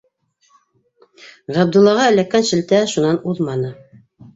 Ғабдуллаға эләккән шелтә шунан уҙманы.